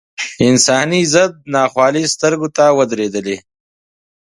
انساني ضد ناخوالې سترګو ته ودرېدلې.